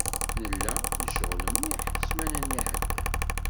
Nella necɣel mliḥ ssmana-nni iεeddan.